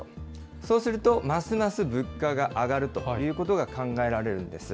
そうするとますます物価が上がるということが考えられるんです。